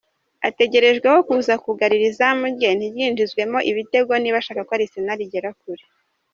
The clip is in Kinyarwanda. Ategerejweho kuza kugarira izamu rye ntiryinjizwemo igitego niba ashaka ko Arsenal igera kure.